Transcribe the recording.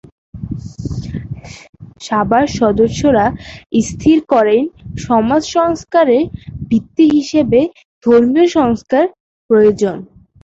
সভার সদস্যরা স্থির করেন সমাজ সংস্কারের ভিত্তি হিসেবে ধর্মীয় সংস্কার প্রয়োজন।